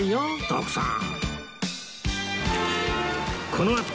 徳さん。